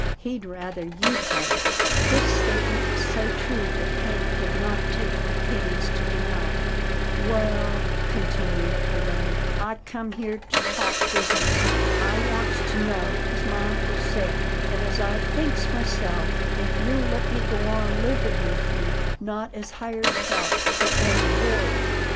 " He'd ruther you'd hed it." This statement was so true that Hank did not take the pains to deny it. " Wal," continued Perletta, " I come here to talk business. I wants to know as my uncle said, and as I thinks myself, if you'll let me go on livin' with you, not as hired help, but as boarder."